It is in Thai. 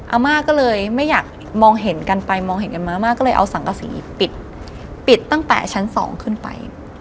อาม่าก็เลยไม่อยากมองเห็นกันไปมองเห็นกันมาม่าก็เลยเอาสังกษีปิดตั้งแต่ชั้น๒ขึ้นไป